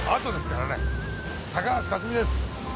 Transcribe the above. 高橋克実です。